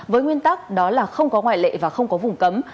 với nguyên tắc đó là không có ngoại lệ và không có vùng cấm